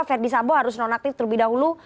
ferdisambo harus nonaktif terlebih dahulu